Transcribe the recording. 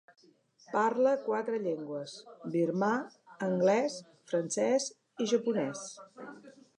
Parla quatre llengües: birmà, anglès, francès i japonès.